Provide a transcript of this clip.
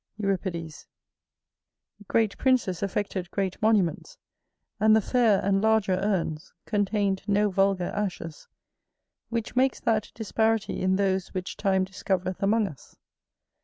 [AR] Great princes affected great monuments; and the fair and larger urns contained no vulgar ashes, which makes that disparity in those which time discovereth among us.